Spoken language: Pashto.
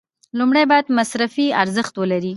لومړی باید مصرفي ارزښت ولري.